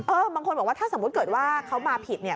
บางคนบอกว่าถ้าสมมุติเกิดว่าเขามาผิดเนี่ย